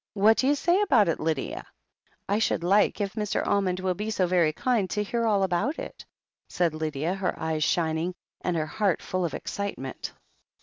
"What do you say about it, Lydia?" "I should like, if Mr. Almond will be so very kind, to hear all about it," said Lydia, her eyes shining and her heart full of excitement.